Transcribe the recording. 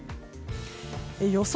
予想